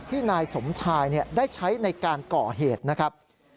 นายสมชายได้ใช้ในการก่อเหตุนะครับ